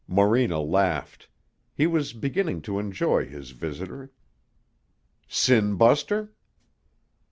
Morena laughed. He was beginning to enjoy his visitor. "Sin buster?"